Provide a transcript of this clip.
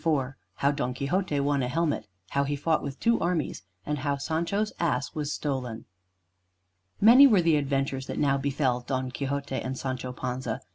IV HOW DON QUIXOTE WON A HELMET; HOW HE FOUGHT WITH TWO ARMIES; AND HOW SANCHO'S ASS WAS STOLEN Many were the adventures that now befell Don Quixote and Sancho Panza.